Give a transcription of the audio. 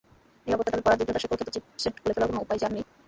নিরাপত্তার নামে পরাধীনতার শেকল খ্যাত চিপসেট খুলে ফেলার কোনো উপায় যে আর নেই!